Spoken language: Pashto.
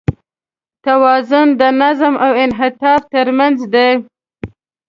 توازن د نظم او انعطاف تر منځ دی.